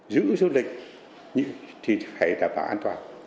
giữ du lịch thì phải đảm bảo an toàn